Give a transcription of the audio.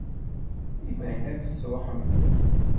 Iban akk tesṛuḥem-ten.